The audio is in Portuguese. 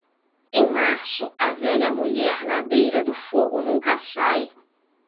Em março, a velha mulher na beira do fogo nunca sai.